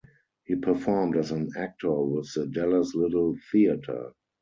He performed as an actor with the Dallas Little Theater.